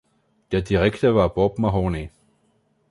Der Direktor war Bob Mahoney.